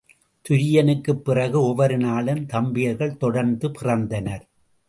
துரியனுக்குப்பிறகு ஒவ்வொரு நாளும் தம்பியர்கள் தொடர்ந்து பிறந்தனர்.